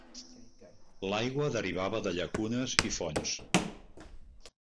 L'aigua derivava de llacunes i fonts.